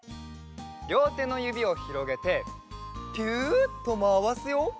りょうてのゆびをひろげてピュッとまわすよ。